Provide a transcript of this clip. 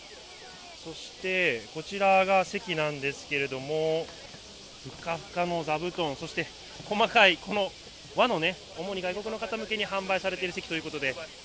そして、こちらが席なんですけれども、ふかふかの座布団、そして細かいこの、和のね、主に外国の方向けに販売されている席ということで。